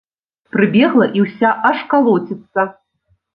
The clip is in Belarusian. Прыбегла, і ўся аж калоціцца.